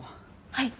はい。